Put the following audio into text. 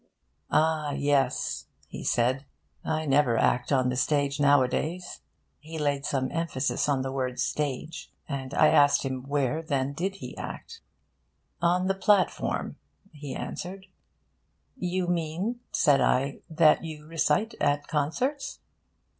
'Ah, yes,' he said, 'I never act on the stage nowadays.' He laid some emphasis on the word 'stage,' and I asked him where, then, he did act. 'On the platform,' he answered. 'You mean,' said I, 'that you recite at concerts?'